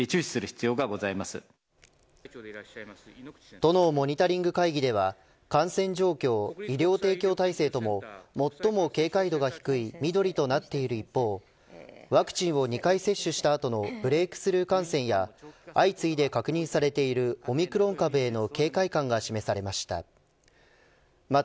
都のモニタリング会議では感染状況、医療提供体制とも最も警戒度が低い緑となっている一方ワクチンを２回接種した後のブレイクスルー感染や相次いで確認されているオミクロン株への警戒感が示されました。